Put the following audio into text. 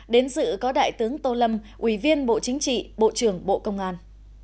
đến dự có đại tướng tô lâm ủy viên bộ chính trị bộ trưởng bộ công an